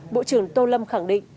bộ trưởng tô lâm khẳng định